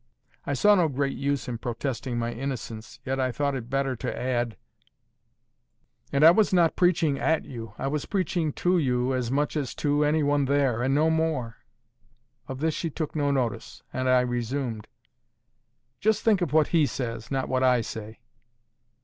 I saw no great use in protesting my innocence, yet I thought it better to add— "And I was not preaching AT you. I was preaching to you, as much as to any one there, and no more." Of this she took no notice, and I resumed: "Just think of what HE says; not what I say."